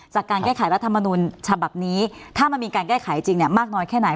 จากการแก้ไขรัฐมนุนฉบับนี้ถ้ามันมีการแก้ไขจริงมากน้อยแค่ไหน